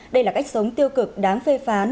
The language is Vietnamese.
đây là cách sống tiêu cực đáng phê phán